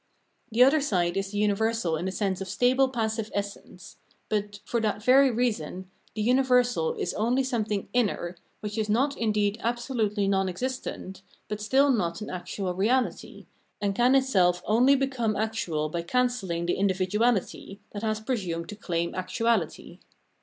The other side is the universal in the sense of stable passive essence ; but, for that very reason, the universal is only something inner, which is not indeed absolutely non existent, but still not an actual reality, and can itself only become actual by cancelKng the individuahty, that has presumed to claim actuahty.